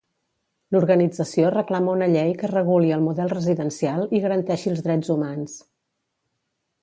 L'organització reclama una llei que reguli el model residencial i garanteixi els drets humans.